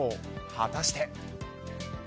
果たして。